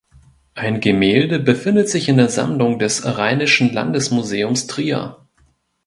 Ein Gemälde befindet sich in der Sammlung des Rheinischen Landesmuseums Trier.